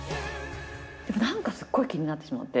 でも何かすっごい気になってしまって。